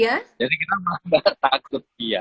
jadi kita malah takut